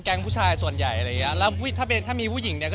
ซึ่งผมก็ไม่น่าจะไปทำอะไรอย่างนั้น